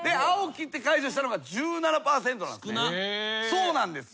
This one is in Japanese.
そうなんですよ。